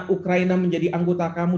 ukraina menjadi anggota kamu